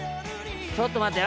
ちょっと待ってよ。